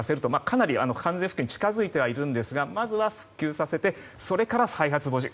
かなり完全復旧に近づいてはいるんですがまずは復旧させてそれから再発防止。